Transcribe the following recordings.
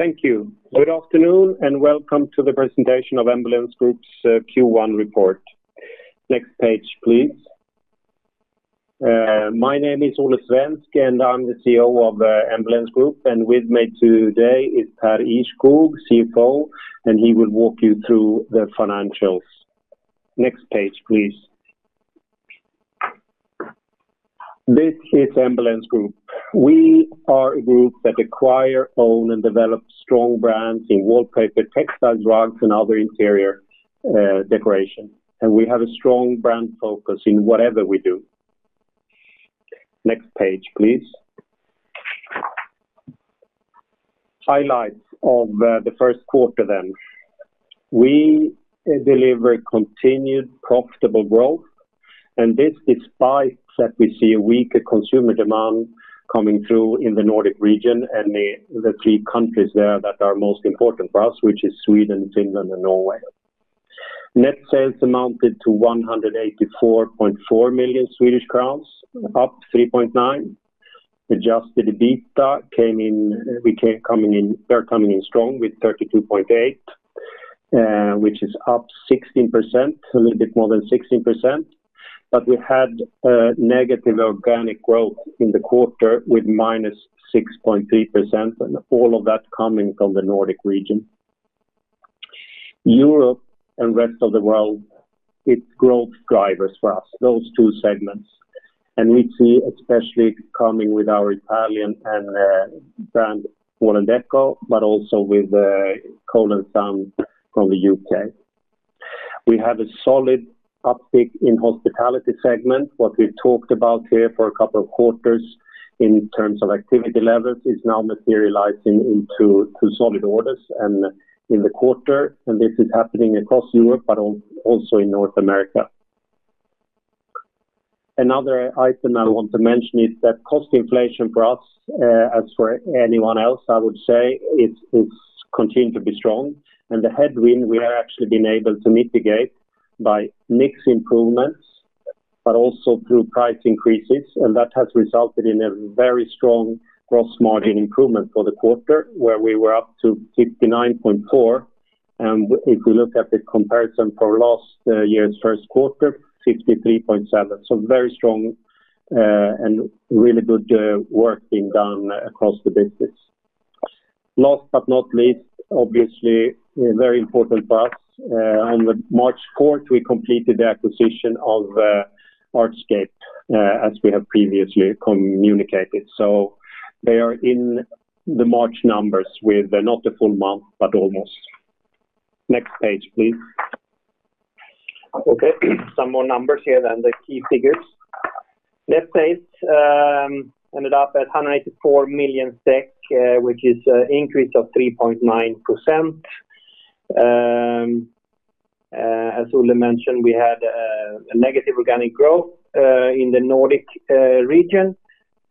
Thank you. Good afternoon, and welcome to the presentation of Embellence Group's Q1 Report. Next page, please. My name is Olle Svensk, and I'm the CEO of Embellence Group. With me today is Pär Ihrskog, CFO, and he will walk you through the financials. Next page, please. This is Embellence Group. We are a group that acquire, own, and develop strong brands in wallpaper, textiles, rugs, and other interior decoration. We have a strong brand focus in whatever we do. Next page, please. Highlights of the first quarter then. We deliver continued profitable growth, and this despite that we see a weaker consumer demand coming through in the Nordic region and the three countries there that are most important for us, which is Sweden, Finland, and Norway. Net sales amounted to 184.4 million Swedish crowns, up 3.9%. Adjusted EBITDA came in strong with 32.8, which is up 16%, a little bit more than 16%, but we had negative organic growth in the quarter with 6.3%, and all of that coming from the Nordic region. Europe and rest of the world, it's growth drivers for us, those two segments. We see especially coming with our Italian brand Wall&decò, but also with Cole & Son from the U.K. We have a solid uptick in hospitality segment. What we talked about here for a couple of quarters in terms of activity levels is now materializing into solid orders and in the quarter. This is happening across Europe, but also in North America. Another item I want to mention is that cost inflation for us, as for anyone else, I would say it's continued to be strong. The headwind we have actually been able to mitigate by mix improvements, but also through price increases. That has resulted in a very strong gross margin improvement for the quarter where we were up to 59.4%. If we look at the comparison for last year's first quarter, 63.7%. Very strong, and really good work being done across the business. Last but not least, obviously very important for us. On March fourth, we completed the acquisition of Artscape, as we have previously communicated. They are in the March numbers with not a full month, but almost. Next page, please. Okay. Some more numbers here on the key figures. Net sales ended up at 184 million SEK, which is an increase of 3.9%. As Olle mentioned, we had a negative organic growth in the Nordic region,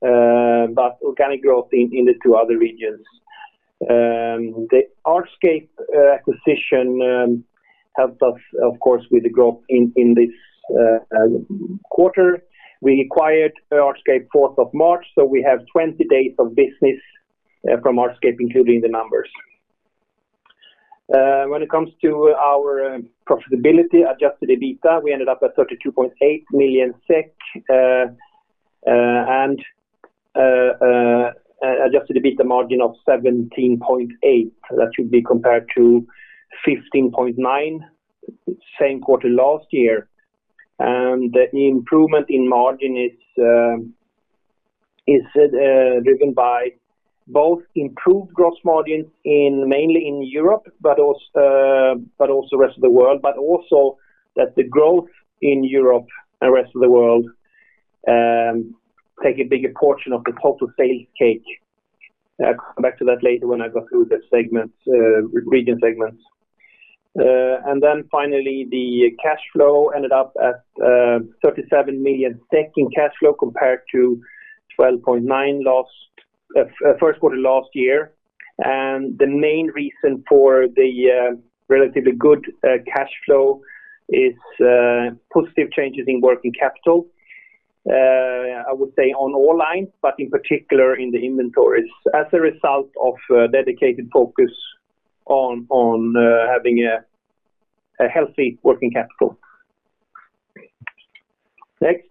but organic growth in the two other regions. The Artscape acquisition helped us, of course, with the growth in this quarter. We acquired Artscape fourth of March, so we have 20 days of business from Artscape, including the numbers. When it comes to our profitability, adjusted EBITDA, we ended up at 32.8 million SEK, and adjusted EBITDA margin of 17.8%. That should be compared to 15.9% same quarter last year. The improvement in margin is driven by both improved gross margin mainly in Europe, but also rest of the world, but also that the growth in Europe and rest of the world take a bigger portion of the total sales cake. I'll come back to that later when I go through the segments, region segments. Then finally, the cash flow ended up at 37 million SEK in cash flow compared to 12.9 million first quarter last year. The main reason for the relatively good cash flow is positive changes in working capital, I would say on all lines, but in particular in the inventories as a result of dedicated focus on having a healthy working capital. Next.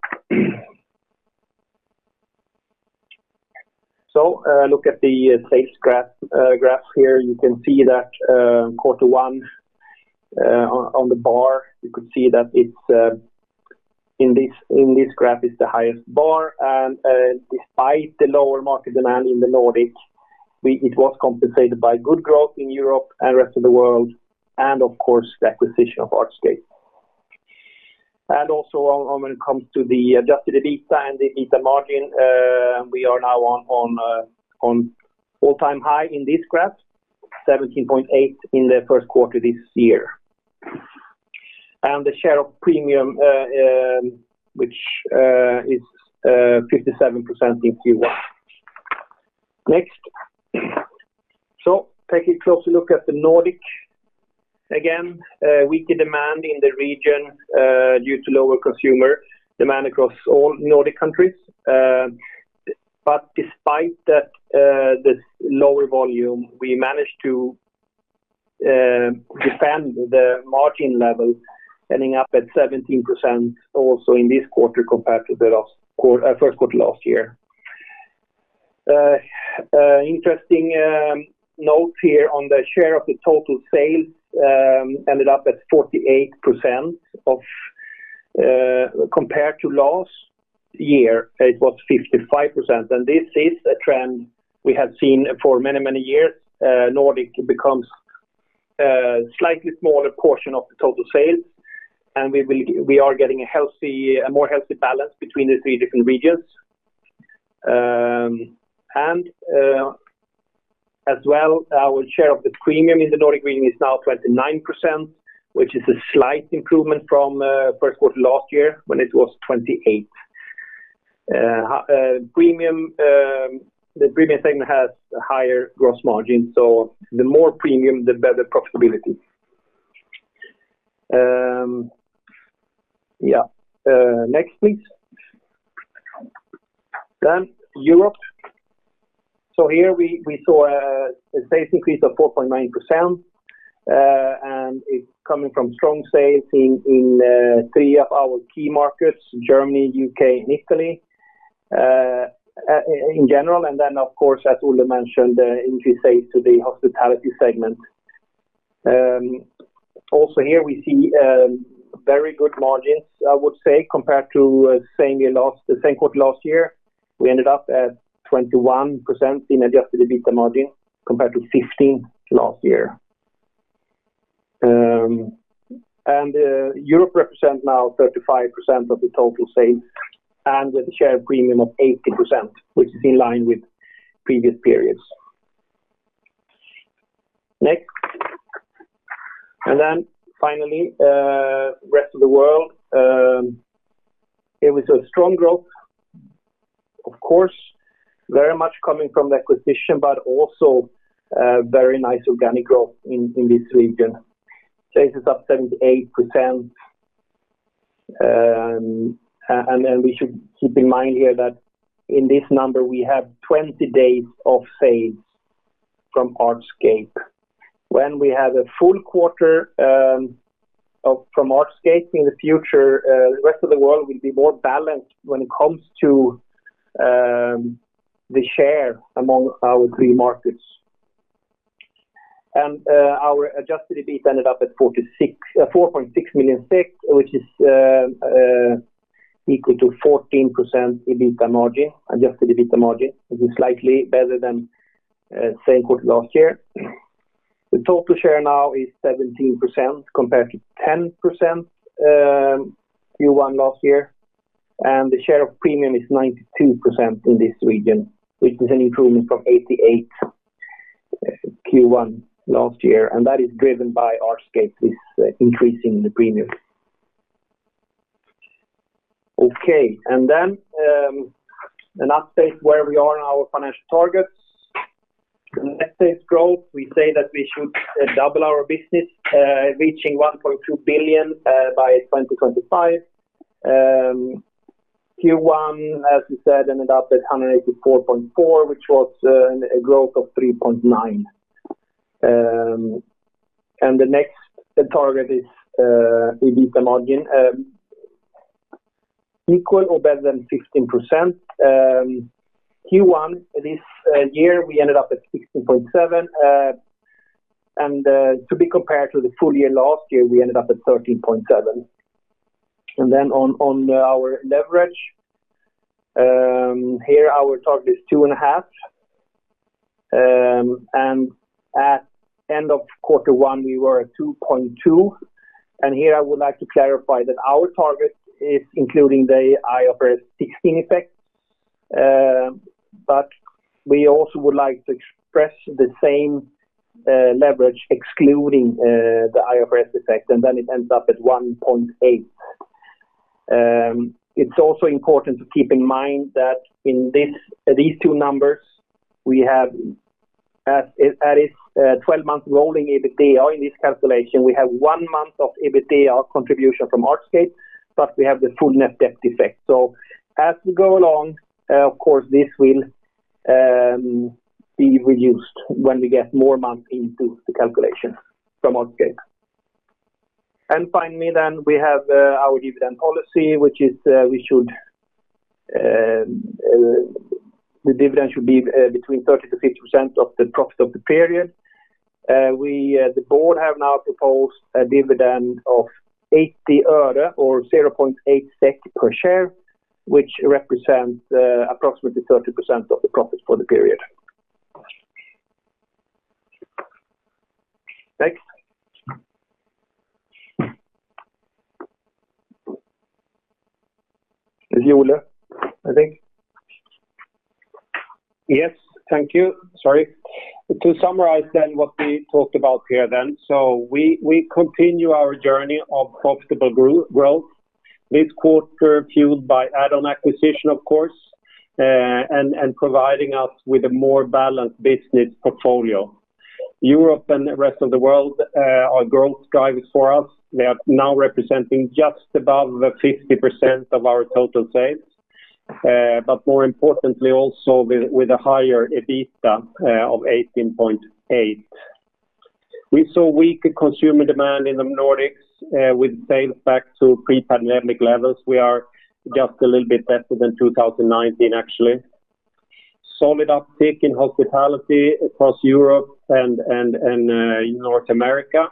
Look at the sales graph here. You can see that, quarter one, on the bar, you could see that it's in this graph is the highest bar. Despite the lower market demand in the Nordic, it was compensated by good growth in Europe and rest of the world and of course, the acquisition of Artscape. Also when it comes to the adjusted EBITDA and the EBITDA margin, we are now on an all-time high in this graph, 17.8 in the first quarter this year. The share of premium, which is 57% in Q1. Next. Take a closer look at the Nordic. Again, weak demand in the region due to lower consumer demand across all Nordic countries. But despite that, the lower volume, we managed to defend the margin level ending up at 17% also in this quarter compared to first quarter last year. Interesting note here on the share of the total sales ended up at 48% compared to last year, it was 55%. This is a trend we have seen for many, many years. Nordic becomes slightly smaller portion of the total sales, and we are getting a more healthy balance between the three different regions. As well, our share of the premium in the Nordic region is now 29%, which is a slight improvement from first quarter last year when it was 28%. Premium, the premium segment has a higher gross margin, so the more premium, the better profitability. Yeah. Next, please. Then Europe. Here we saw a sales increase of 4.9%. It's coming from strong sales in three of our key markets, Germany, U.K., and Italy, in general. Of course, as Ole mentioned, increase sales to the hospitality segment. Also here we see very good margins, I would say, compared to the same quarter last year. We ended up at 21% in adjusted EBITDA margin compared to 15% last year. Europe represent now 35% of the total sales and with a share premium of 80%, which is in line with previous periods. Next. Rest of the world. Here we saw strong growth, of course, very much coming from the acquisition, but also very nice organic growth in this region. Sales is up 78%, and then we should keep in mind here that in this number, we have 20 days of sales from Artscape. When we have a full quarter from Artscape in the future, the rest of the world will be more balanced when it comes to the share among our three markets. Our adjusted EBIT ended up at 4.6 million SEK, which is equal to 14% adjusted EBIT margin. It is slightly better than same quarter last year. The total share now is 17% compared to 10%, Q1 last year. The share of premium is 92% in this region, which is an improvement from 88%, Q1 last year. That is driven by Artscape is increasing the premium. Okay. An update where we are in our financial targets. Net sales growth, we say that we should double our business, reaching 1.2 billion by 2025. Q1, as we said, ended up at 184.4 million, which was a growth of 3.9%. The next target is EBIT margin equal or better than 16%. Q1 this year, we ended up at 16.7%, and to be compared to the full year last year, we ended up at 13.7%. On our leverage, here our target is 2.5, and at end of quarter one, we were at 2.2. Here I would like to clarify that our target is including the IFRS 16 effect, but we also would like to express the same leverage excluding the IFRS effect, and then it ends up at 1.8. It's also important to keep in mind that in these two numbers we have as is, 12-month rolling EBITA or in this calculation, we have one month of EBITA contribution from Artscape, but we have the full net debt effect. As we go along, of course, this will be reduced when we get more months into the calculation from Artscape. Finally then we have our dividend policy, which is the dividend should be between 30%-50% of the profit of the period. We, the board have now proposed a dividend of 80 øre or 0.8 SEK per share, which represents approximately 30% of the profit for the period. It's Olle, I think. Yes. Thank you. Sorry. To summarize then what we talked about here then. We continue our journey of profitable growth. This quarter fueled by add-on acquisition, of course, and providing us with a more balanced business portfolio. Europe and the rest of the world are growth drivers for us. They are now representing just above 50% of our total sales, but more importantly also with a higher EBITDA of 18.8. We saw weak consumer demand in the Nordics, with sales back to pre-pandemic levels. We are just a little bit better than 2019 actually. Solid uptick in hospitality across Europe and in North America.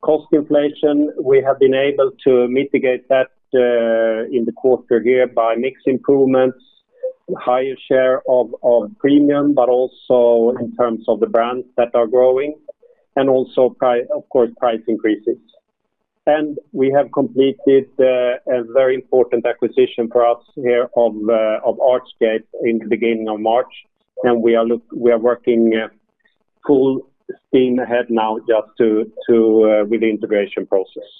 Cost inflation, we have been able to mitigate that in the quarter here by mix improvements, higher share of premium, but also in terms of the brands that are growing, and also, of course, price increases. We have completed a very important acquisition for us here of Artscape in the beginning of March, and we are working full steam ahead now just to with the integration process.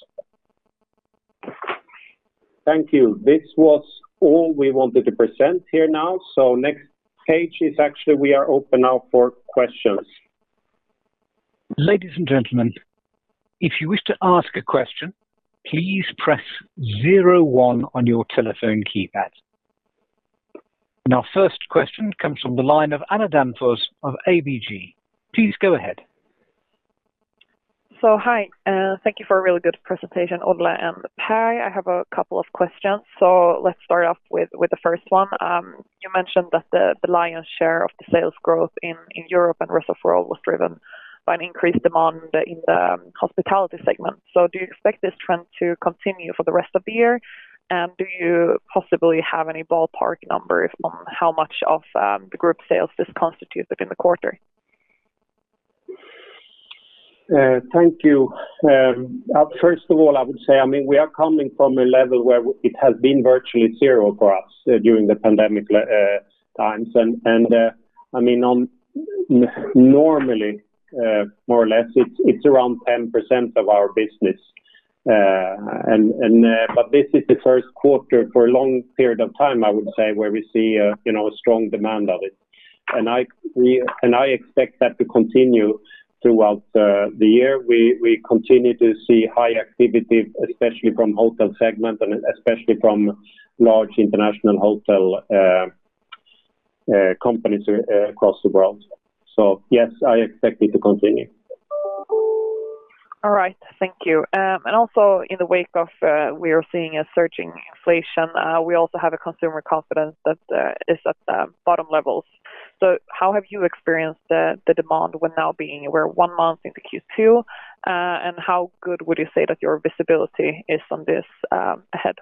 Thank you. This was all we wanted to present here now. Next page is actually we are open now for questions. Ladies and gentlemen, if you wish to ask a question, please press zero one on your telephone keypad. Our first question comes from the line of Anna Danfors of ABG. Please go ahead. Hi, thank you for a really good presentation, Olle and Pär. I have a couple of questions. Let's start off with the first one. You mentioned that the lion's share of the sales growth in Europe and rest of world was driven by an increased demand in the hospitality segment. Do you expect this trend to continue for the rest of the year? And do you possibly have any ballpark numbers on how much of the group sales this constitutes within the quarter? Thank you. First of all, I would say, I mean, we are coming from a level where it has been virtually zero for us during the pandemic times. I mean, normally, more or less, it's around 10% of our business. This is the first quarter for a long period of time, I would say, where we see, you know, a strong demand of it. I expect that to continue throughout the year. We continue to see high activity, especially from hotel segment and especially from large international hotel companies across the world. Yes, I expect it to continue. All right. Thank you. Also in the wake of we are seeing a surging inflation, we also have a consumer confidence that is at the bottom levels. How have you experienced the demand with now being we're one month into Q2, and how good would you say that your visibility is on this ahead?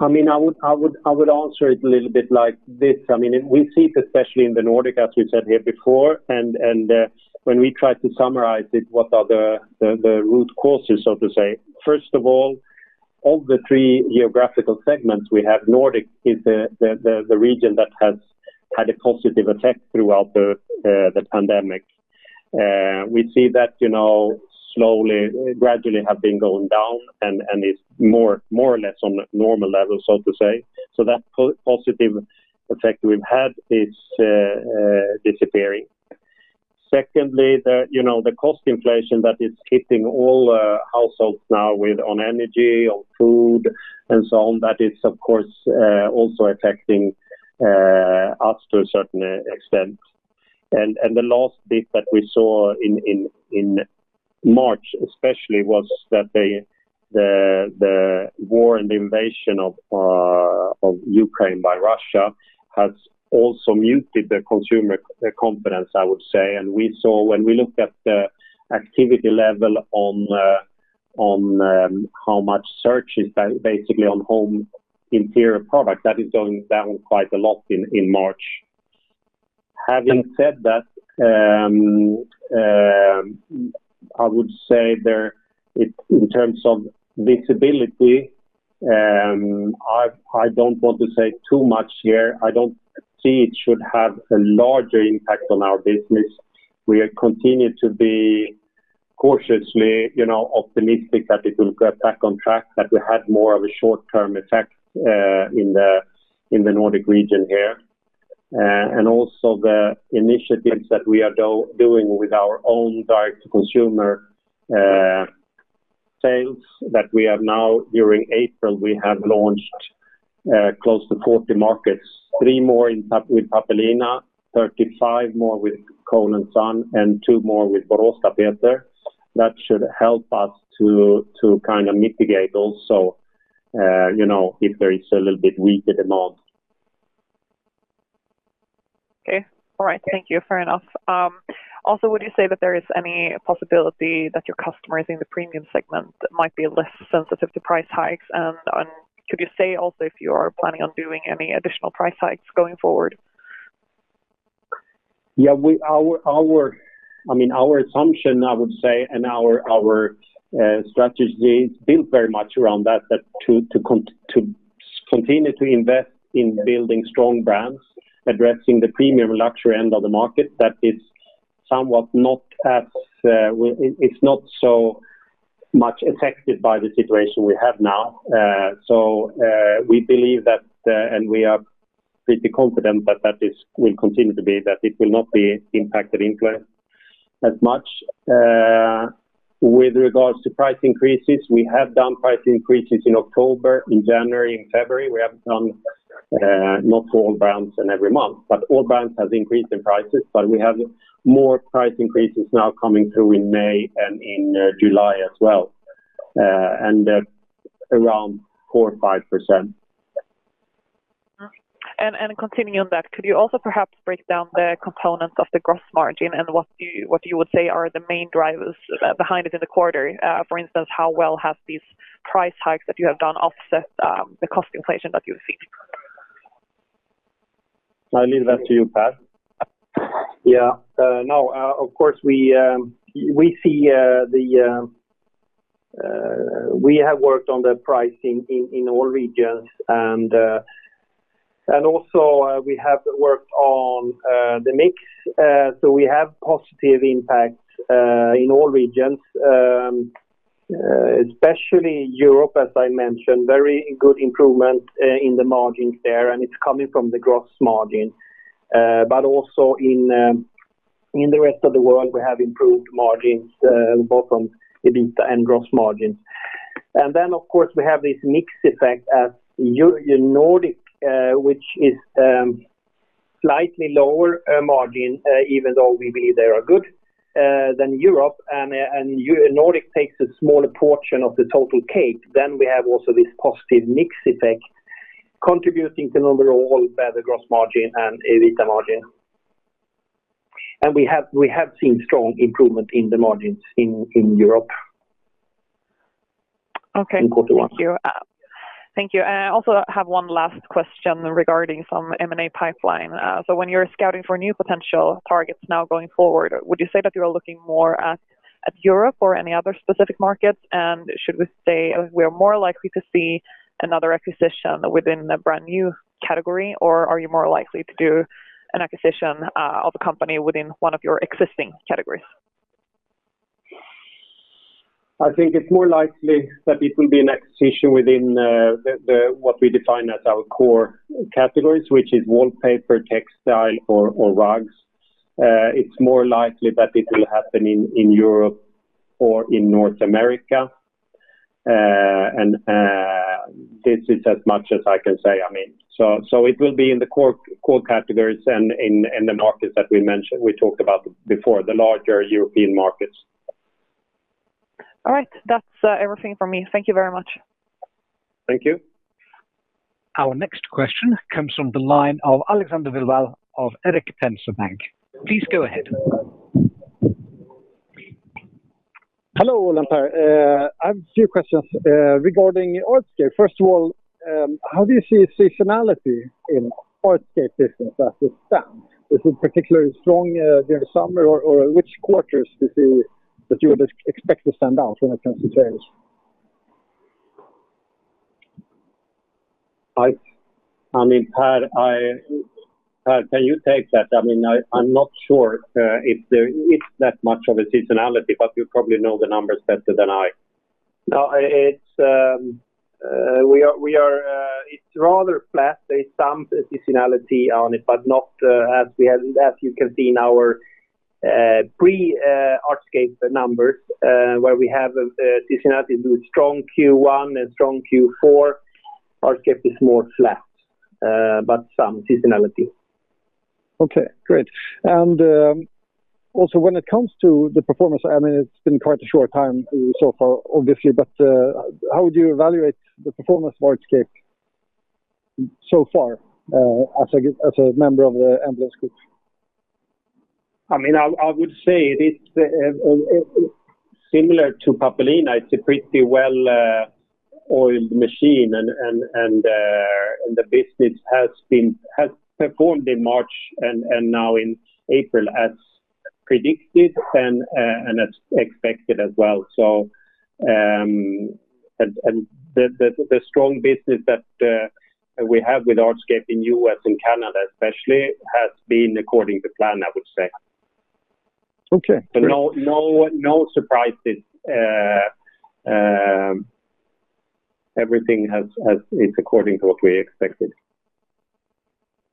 I mean, I would answer it a little bit like this. I mean, we see it especially in the Nordic, as we said here before. When we try to summarize it, what are the root causes, so to say. First of all, of the three geographical segments we have, Nordic is the region that has had a positive effect throughout the pandemic. We see that, you know, slowly, gradually have been going down and it's more or less on normal levels, so to say. That positive effect we've had is disappearing. Secondly, you know, the cost inflation that is hitting all households now with on energy, on food, and so on, that is of course also affecting us to a certain extent. The last bit that we saw in March especially was that the war and the invasion of Ukraine by Russia has also muted the consumer confidence, I would say. We saw when we looked at the activity level on how much search is basically on home interior product that is going down quite a lot in March. Having said that, I would say in terms of visibility, I don't want to say too much here. I don't see it should have a larger impact on our business. We continue to be cautiously, you know, optimistic that it will get back on track, that we had more of a short-term effect in the Nordic region here. Also the initiatives that we are doing with our own direct consumer sales that we have now during April, we have launched close to 40 markets. Three more with Pappelina, 35 more with Cole & Son, and two more with Boråstapeter. That should help us to kind of mitigate also you know if there is a little bit weaker demand. Okay. All right. Thank you. Fair enough. Also, would you say that there is any possibility that your customers in the premium segment might be less sensitive to price hikes? Could you say also if you are planning on doing any additional price hikes going forward? Our assumption, I would say, and our strategy is built very much around that to continue to invest in building strong brands, addressing the premium luxury end of the market. It's not so much affected by the situation we have now. We believe that and we are pretty confident that it will continue to be, that it will not be impacted as much. With regards to price increases, we have done price increases in October, in January, in February. We have done, not for all brands and every month, but all brands have increased in prices. We have more price increases now coming through in May and in July as well, and around 4 or 5%. Continuing on that, could you also perhaps break down the components of the gross margin and what you would say are the main drivers behind it in the quarter? For instance, how well have these price hikes that you have done offset the cost inflation that you've seen? I leave that to you, Pär. Yeah. No, of course, we have worked on the pricing in all regions. We have worked on the mix. We have positive impact in all regions, especially Europe, as I mentioned, very good improvement in the margins there, and it's coming from the gross margin. But also in the rest of the world, we have improved margins, both on EBIT and gross margins. We have this mix effect as EUR-Nordic, which is slightly lower margin, even though we believe they are good, than Europe. EUR-Nordic takes a smaller portion of the total cake. We have also this positive mix effect contributing to an overall better gross margin and EBITA margin. We have seen strong improvement in the margins in Europe. Okay. In quarter one. Thank you. Thank you. I also have one last question regarding some M&A pipeline. When you're scouting for new potential targets now going forward, would you say that you are looking more at Europe or any other specific markets? Should we say we are more likely to see another acquisition within a brand new category, or are you more likely to do an acquisition, of a company within one of your existing categories? I think it's more likely that it will be an acquisition within the what we define as our core categories, which is wallpaper, textile, or rugs. It's more likely that it will happen in Europe or in North America. This is as much as I can say. I mean, it will be in the core categories and in the markets that we mentioned, we talked about before, the larger European markets. All right. That's everything from me. Thank you very much. Thank you. Our next question comes from the line of Alexander Vilval of Erik Penser Bank. Please go ahead. Hello, Olle and Pär. I have a few questions regarding Artscape. First of all, how do you see seasonality in Artscape business as it stands? Is it particularly strong during summer or which quarters do you see that you would expect to stand out when it comes to sales? I mean, Pär, can you take that? I mean, I'm not sure if there is that much of a seasonality, but you probably know the numbers better than I. No, it's rather flat. There's some seasonality on it, but not as you can see in our pre Artscape numbers, where we have a seasonality with strong Q1 and strong Q4, Artscape is more flat, but some seasonality. Okay, great. Also when it comes to the performance, I mean, it's been quite a short time so far, obviously, but, how would you evaluate the performance of Artscape so far, as a member of the Embellence Group? I mean, I would say it is similar to Pappelina. It's a pretty well oiled machine and the business has performed in March and now in April as predicted and as expected as well. The strong business that we have with Artscape in the U.S. and Canada, especially, has been according to plan, I would say. Okay. No surprises. Everything has, it's according to what we expected.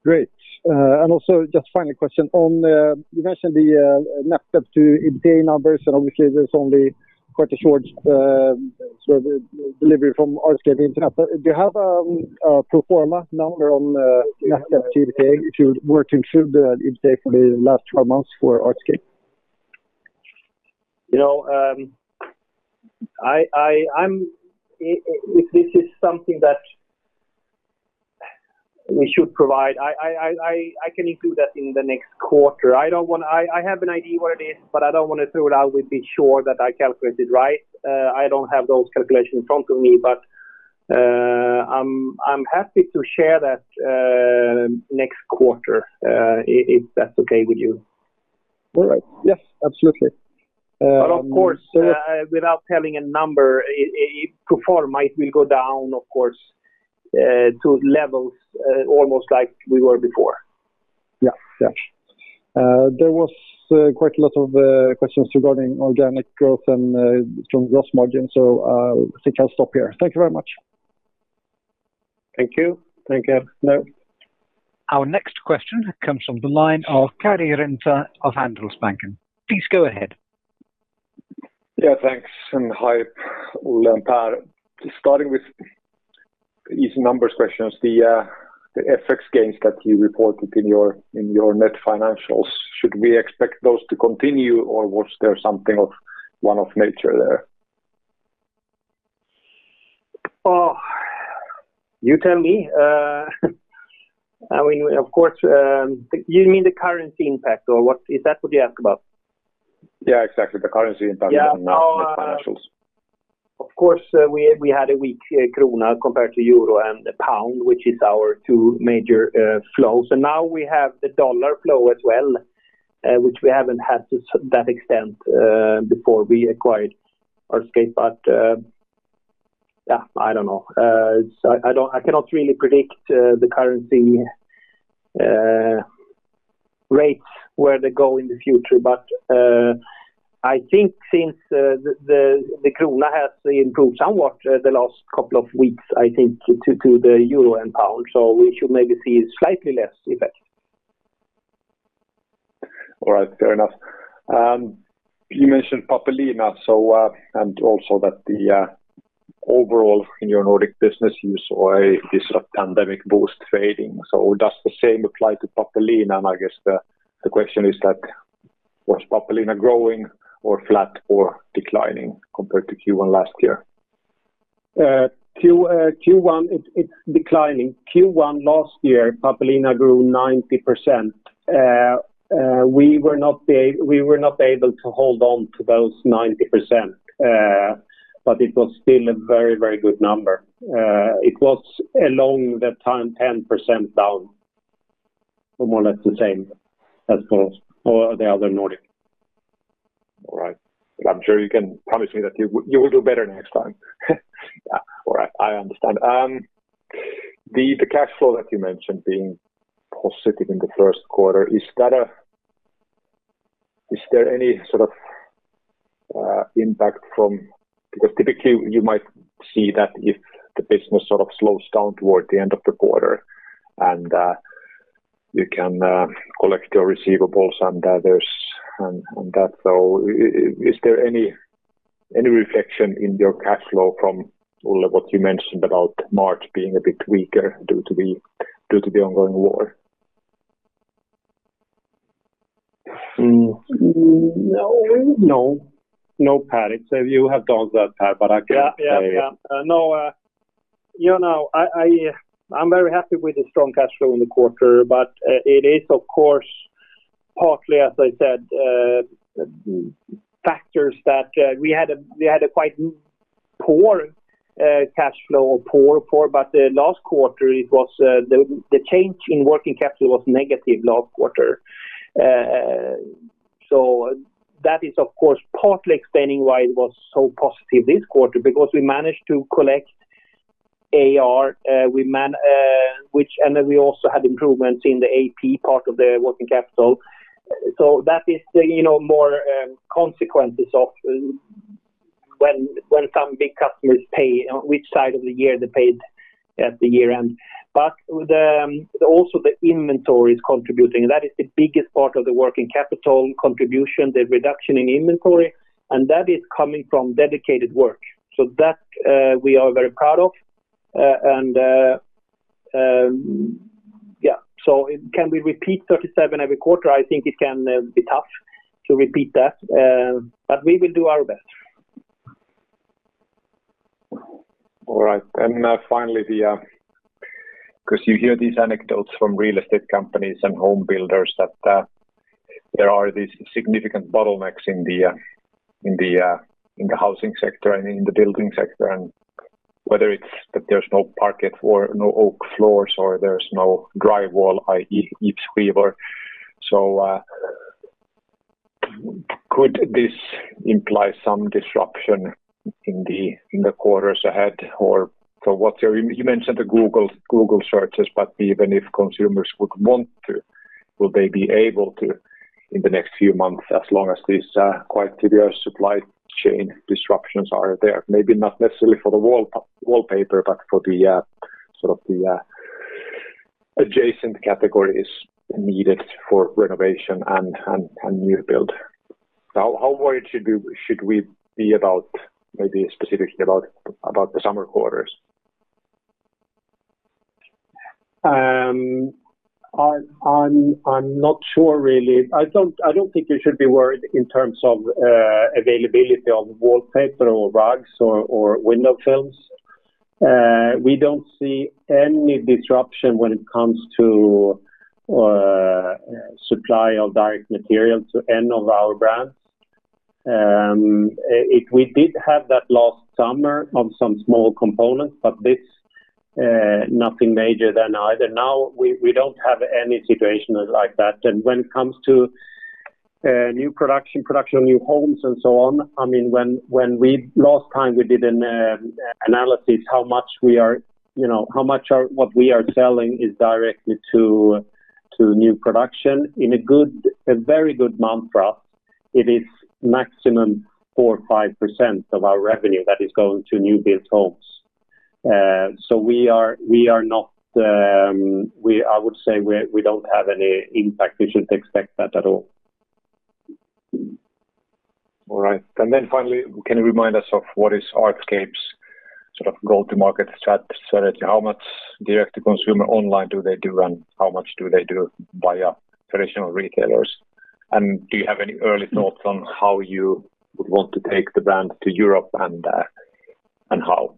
Great. Also just final question on, you mentioned the, net debt to EBITA numbers, and obviously there's only quite a short, sort of delivery from Artscape Inc. Do you have, a pro forma number on, net debt to EBITA if you were to include the EBITA for the last 12 months for Artscape? You know, if this is something that we should provide, I can include that in the next quarter. I have an idea what it is, but I don't wanna throw it out without being sure that I calculate it right. I don't have those calculations in front of me, but I'm happy to share that next quarter, if that's okay with you. All right. Yes, absolutely. Of course, without telling a number, it pro forma, it will go down, of course, to levels, almost like we were before. Yeah, there was quite a lot of questions regarding organic growth and from gross margin. I think I'll stop here. Thank you very much. Thank you. Take care. Our next question comes from the line of Karri Rinta of Handelsbanken. Please go ahead. Yeah, thanks. Hi, Olle and Pär. Just starting with easy numbers questions, the FX gains that you reported in your net financials, should we expect those to continue, or was there something of one-off nature there? Oh, you tell me. I mean, of course, you mean the currency impact or what? Is that what you ask about? Yeah, exactly. The currency impact. Yeah. In the financials. Of course, we had a weak krona compared to euro and the pound, which is our two major flows. Now we have the dollar flow as well, which we haven't had to that extent before we acquired Artscape. Yeah, I don't know. I cannot really predict the currency rates where they go in the future. I think since the krona has improved somewhat the last couple of weeks, I think to the euro and pound, so we should maybe see slightly less effect. All right. Fair enough. You mentioned Pappelina, so, and also that the overall in your Nordic business, you saw this sort of pandemic boost fading. Does the same apply to Pappelina? I guess the question is that, was Pappelina growing or flat or declining compared to Q1 last year? Q1, it's declining. Q1 last year, Pappelina grew 90%. We were not able to hold on to those 90%. But it was still a very, very good number. It was along the 10% down, or more or less the same as for all the other Nordic. All right. I'm sure you can promise me that you will do better next time. All right. I understand. The cash flow that you mentioned being positive in the first quarter, is there any sort of impact? Because typically you might see that if the business sort of slows down toward the end of the quarter and you can collect your receivables and that. Is there any reflection in your cash flow from all of what you mentioned about March being a bit weaker due to the ongoing war? Yeah. No. You know, I am very happy with the strong cash flow in the quarter, but it is of course partly, as I said, factors that we had a quite poor cash flow or poor quarter. The last quarter, it was the change in working capital was negative last quarter. That is, of course, partly explaining why it was so positive this quarter, because we managed to collect AR, which. Then we also had improvements in the AP part of the working capital. That is, you know, more consequences of when some big customers pay, which side of the year they paid at the year-end. Also the inventory is contributing. That is the biggest part of the working capital contribution, the reduction in inventory, and that is coming from dedicated work. That we are very proud of. Can we repeat 37 every quarter? I think it can be tough to repeat that, but we will do our best. All right. Finally, 'cause you hear these anecdotes from real estate companies and home builders that there are these significant bottlenecks in the housing sector and in the building sector, and whether it's that there's no parquet or no oak floors or there's no drywall, i.e., gipsskivor. Could this imply some disruption in the quarters ahead? Or for what you mentioned the Google searches, but even if consumers would want to, will they be able to in the next few months, as long as these quite severe supply chain disruptions are there? Maybe not necessarily for the wallpaper, but for the sort of the adjacent categories needed for renovation and new build. How worried should we be about maybe specifically about the summer quarters? I'm not sure really. I don't think you should be worried in terms of availability of wallpaper or rugs or window films. We don't see any disruption when it comes to supply of direct material to any of our brands. We did have that last summer of some small components, but nothing major then either. Now we don't have any situation like that. When it comes to new production of new homes and so on, I mean, when we last time we did an analysis, how much we are, you know, how much of what we are selling is directly to new production. In a very good month for us, it is maximum 4-5% of our revenue that is going to new build homes. We are not. I would say we don't have any impact. We shouldn't expect that at all. All right. Finally, can you remind us of what is Artscape's sort of go-to-market strategy? How much direct to consumer online do they do, and how much do they do via traditional retailers? Do you have any early thoughts on how you would want to take the brand to Europe and how?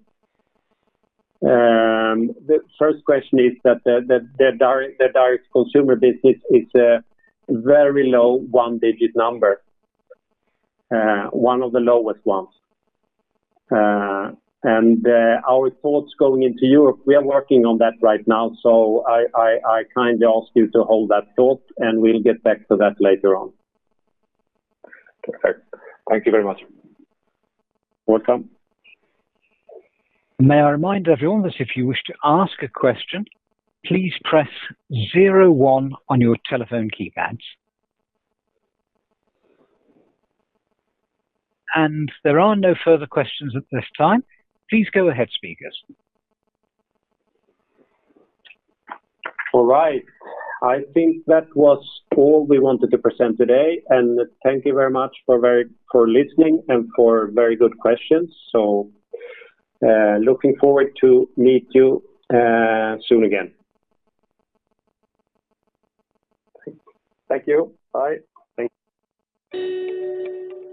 The first question is that the direct consumer business is a very low one-digit number, one of the lowest ones. Our thoughts going into Europe, we are working on that right now, so I kindly ask you to hold that thought, and we'll get back to that later on. Perfect. Thank you very much. Welcome. May I remind everyone that if you wish to ask a question, please press zero one on your telephone keypads. There are no further questions at this time. Please go ahead, speakers. All right. I think that was all we wanted to present today. Thank you very much for listening and for very good questions. Looking forward to meet you soon again. Thank you. Bye. Thank you.